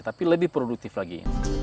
tapi lebih produktif lagi